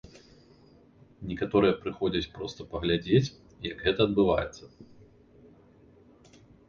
Некаторыя прыходзяць проста паглядзець, як гэта адбываецца.